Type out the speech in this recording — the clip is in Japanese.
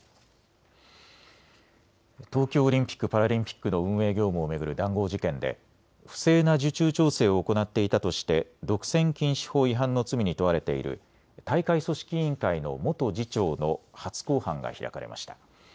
東京オリンピック・パラリンピックの運営業務を巡る談合事件で不正な受注調整を行っていたとして独占禁止法違反の罪に問われている大会組織委員会の元次長の初公判が開かれました。